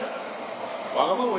わがまま